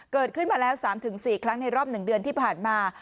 เกิดขึ้นมาแล้ว๓๔ครั้งในรอบ๑เดือนที่ผ่านมา